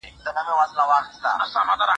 پخوا خلګو د سياسي تنوع زغم نه درلود.